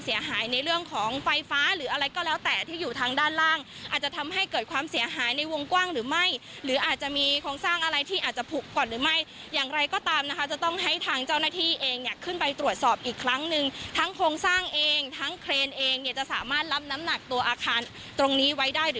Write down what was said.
ในเรื่องของไฟฟ้าหรืออะไรก็แล้วแต่ที่อยู่ทางด้านล่างอาจจะทำให้เกิดความเสียหายในวงกว้างหรือไม่หรืออาจจะมีโครงสร้างอะไรที่อาจจะผูกก่อนหรือไม่อย่างไรก็ตามนะคะจะต้องให้ทางเจ้าหน้าที่เองเนี่ยขึ้นไปตรวจสอบอีกครั้งหนึ่งทั้งโครงสร้างเองทั้งเครนเองเนี่ยจะสามารถรับน้ำหนักตัวอาคารตรงนี้ไว้ได้หรือ